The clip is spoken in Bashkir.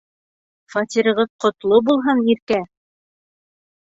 Фатирығыҙ ҡотло булһын, Иркә.